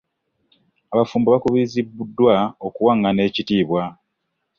Abafumbo bakubiriziddwa okuwangana ekitiibwa